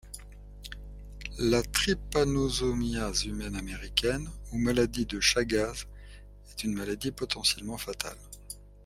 La trypanosomiase humaine américaine, ou maladie de Chagas, est une maladie potentiellement fatale.